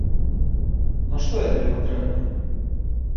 Нашто я табе патрэбна?